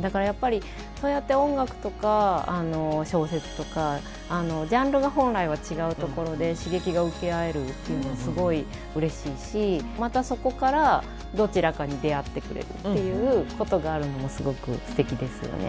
だからやっぱりそうやって音楽とか小説とかジャンルが本来は違うところで刺激が受け合えるっていうのはすごいうれしいしまたそこからどちらかに出会ってくれるっていうことがあるのもすごくすてきですよね。